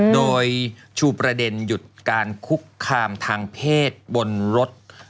โดยชูประเด็นหยุดการคุกคามทางเพศบนรถ